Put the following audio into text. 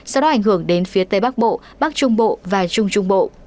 sau đó ảnh hưởng đến phía tây bắc bộ bắc trung bộ và trung trung bộ